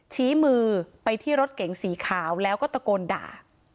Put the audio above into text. ชี้มือไปที่รถเก๋งสีขาวแล้วก็ตะโกนด่า